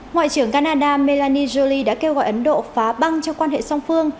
ngoại trưởng canada melanie jolie đã kêu gọi ấn độ phá băng cho quan hệ song phương